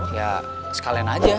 ya sekalian aja